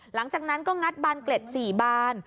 หลังจากนั้นก็งัดบานเกล็ด๔บาน